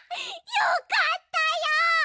よかったよ！